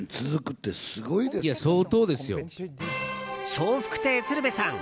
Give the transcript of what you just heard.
笑福亭鶴瓶さん